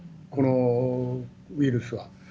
このウイルスは。